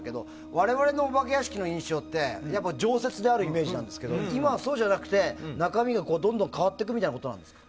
我々のお化け屋敷の印象って常設であるイメージですけど今はそうじゃなくて中身がどんどん変わっていくみたいなことなんですか？